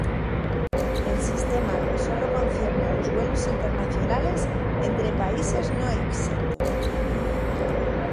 El sistema sólo concierne los vuelos internacionales entre países no exentos.